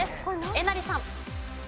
えなりさん。